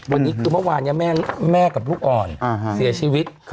วันนี้คือเมื่อวานนี้แม่กับลูกอ่อนเสียชีวิต